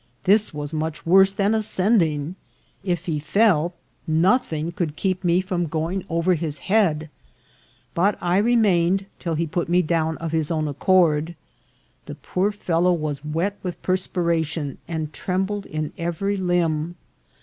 This was much worse than ascending ; if he fell, nothing could keep me from going over his head ; but I remained till he put me down of his own accord. The poor fellow was wet with perspiration, and trembled in every limb.